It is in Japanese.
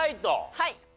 はい。